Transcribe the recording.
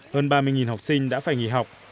hơn ba mươi học sinh đã phải nghỉ học